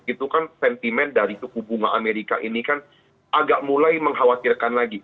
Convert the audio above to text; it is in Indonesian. itu kan sentimen dari suku bunga amerika ini kan agak mulai mengkhawatirkan lagi